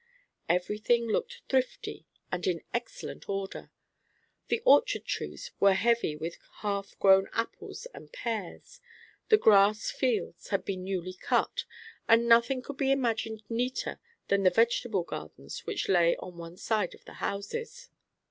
Every thing looked thrifty and in excellent order. The orchard trees were heavy with half grown apples and pears; the grass fields had been newly cut, and nothing could be imagined neater than the vegetable gardens which lay on one side of the houses.